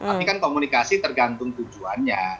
tapi kan komunikasi tergantung tujuannya